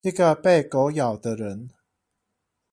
一個被狗咬的人